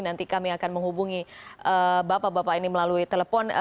nanti kami akan menghubungi bapak bapak ini melalui telepon